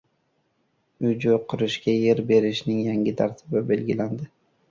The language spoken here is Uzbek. Uy-joy qurishga yer berishning yangi tartibi belgilandi